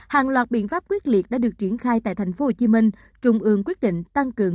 hàng loạt biện pháp quyết liệt đã được triển khai tại tp hcm trung ương quyết định tăng cường